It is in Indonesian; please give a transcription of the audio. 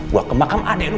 gue kemakam adik lo